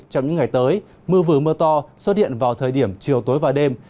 trong những ngày tới mưa vừa mưa to xuất hiện vào thời điểm chiều tối và đêm